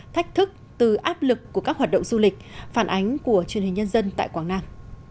thách thức từ áp lực của các hoạt động du lịch phản ánh của truyền hình nhân dân tại quảng nam